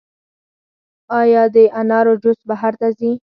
آیا د انارو جوس بهر ته ځي؟